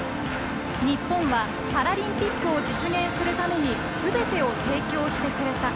日本はパラリンピックを実現するためにすべてを提供してくれた。